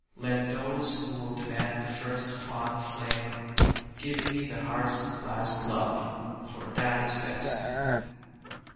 Let those who will demand the first fond flame, Give me the heart's last love, for that is best.